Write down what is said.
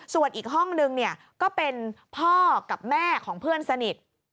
ส่วนอีกห้องนึงก็เป็นพ่อกับแม่ของเพื่อนสนิท